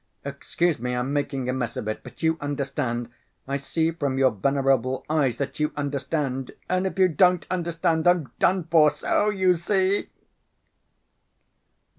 Excuse me, I'm making a mess of it, but you understand ... I see from your venerable eyes that you understand ... and if you don't understand, I'm done for ... so you see!"